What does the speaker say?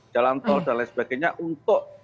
jalan tol dan lain sebagainya untuk